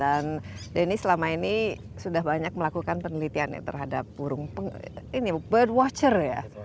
dan denny selama ini sudah banyak melakukan penelitian terhadap burung birdwatcher